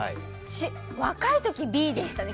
若い時、Ｂでしたね。